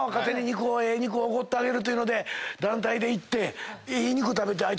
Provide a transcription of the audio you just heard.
肉おごってあげるというので団体で行って。